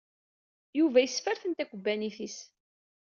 Yuba yesferten takubbanit-is.